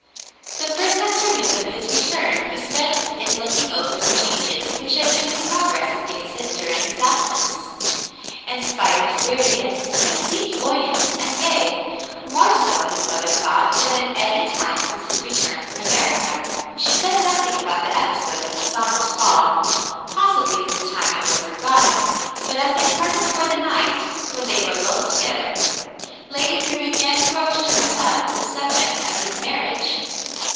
The first afternoon of his return he spent in looking over the changes which had been in progress at Daneshead during his absence. In spite of his weariness, he seemed buoyant and gay, more so, his mother thought, than at any time since his return from America. She said noth ing about the episode of Cassandra's call, — possibly for the time it was forgotten, — but as they parted for the night, w^hen they were alone together. Lady Thryng again broached to her son the subject of his marriage.